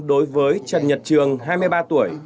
đối với trần nhật trường hai mươi ba tuổi